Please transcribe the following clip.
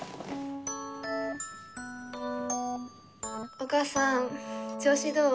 お母さん調子どう？